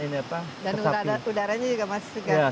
dan udaranya juga masih tegak